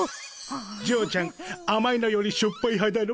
嬢ちゃん甘いのよりしょっぱい派だろ？